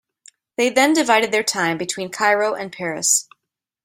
They then divided their time between Cairo and Paris.